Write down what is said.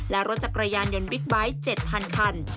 และรถจักรยานยนต์บิ๊กไบท์๗๐๐คัน